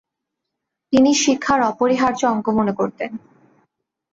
তিনি শিক্ষার অপরিহার্য অঙ্গ মনে করতেন।